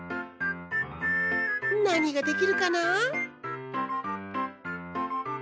なにができるかな？